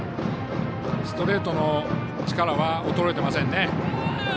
ストレートの力は衰えてませんね。